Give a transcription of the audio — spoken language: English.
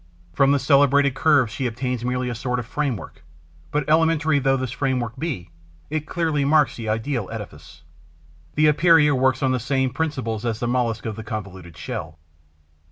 From the celebrated curve she obtains merely a sort of framework; but, elementary though this framework be, it clearly marks the ideal edifice. The Epeira works on the same principles as the Mollusc of the convoluted shell.